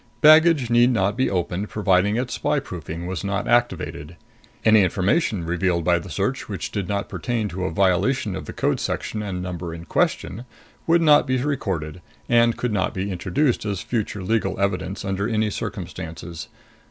Baggage need not be opened, providing its spyproofing was not activated. Any information revealed by the search which did not pertain to a violation of the Code Section and Number in question would not be recorded and could not be introduced as future legal evidence under any circumstances.